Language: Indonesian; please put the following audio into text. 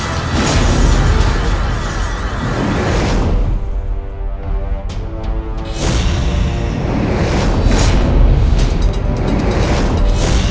aku akan mencari pak handas